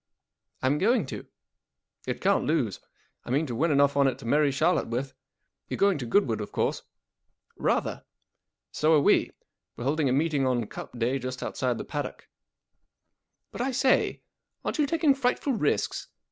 '*" I'm going to/ 1 It can't lose. 1 mean to w in enough on it to marry Charlotte with. You Ye going to Goodwood, of course ?'# Rather I " So are we. We Ye holding a meeting on Cup day just outside the paddock/' " But, I say, aren't you taking frightful risks